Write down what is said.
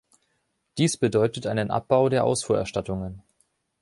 Dies bedeutet einen Abbau der Ausfuhrerstattungen.